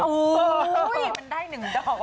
อุ๊ยมันได้หนึ่งดอก